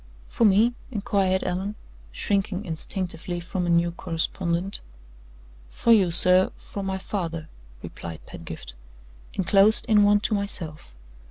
"For me?" inquired Allan, shrinking instinctively from a new correspondent. "For you, sir from my father," replied Pedgift, "inclosed in one to myself.